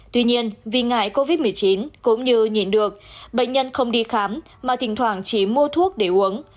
tuy nhiên vì ngại covid một mươi chín cũng như nhìn được bệnh nhân không đi khám mà thỉnh thoảng chỉ mua thuốc để uống